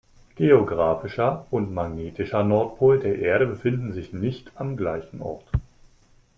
Geographischer und magnetischer Nordpol der Erde befinden sich nicht am gleichen Ort.